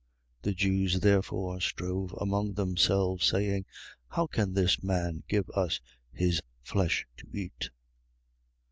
6:53. The Jews therefore strove among themselves, saying: How can this man give us his flesh to eat?